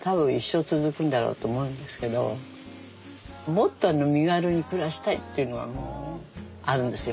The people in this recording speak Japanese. もっと身軽に暮らしたいっていうのはあるんですよ